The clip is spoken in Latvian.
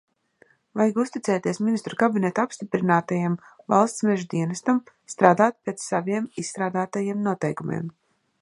Vajag uzticēties Ministru kabineta apstiprinātajam Valsts meža dienestam, strādāt pēc saviem izstrādātajiem noteikumiem.